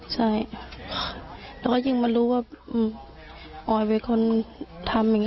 ใช่แล้วก็ยิ่งมารู้ว่าออยเป็นคนทำอย่างนี้